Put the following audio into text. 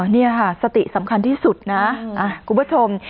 นี่ค่ะสติสำคัญที่สุดนะคุณผู้ชม